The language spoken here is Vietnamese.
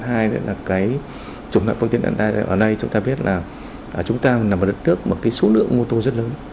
hai nữa là cái chủng lại phương tiện ở đây chúng ta biết là chúng ta nằm ở đất nước mà cái số lượng mô tố rất lớn